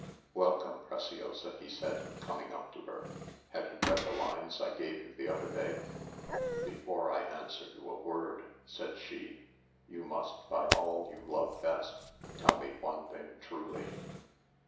"Welcome, Preciosa," he said, coming up to her. "Have you read the lines I gave you the other day?" "Before I answer you a word," said she, "you must, by all you love best, tell me one thing truly."